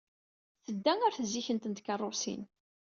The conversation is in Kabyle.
Tedda ɣer tzikkent n tkeṛṛusin.